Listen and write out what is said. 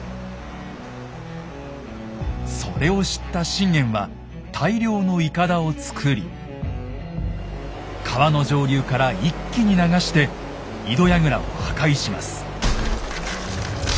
それを知った信玄は大量のイカダを作り川の上流から一気に流して井戸櫓を破壊します。